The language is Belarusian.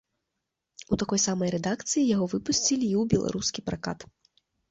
У такой самай рэдакцыі яго выпусцілі і ў беларускі пракат.